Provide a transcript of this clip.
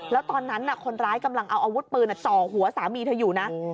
แล้วตอนนั้นคนร้ายกำลังเอาอาวุธปืนจ่อหัวสามีเธออยู่นะ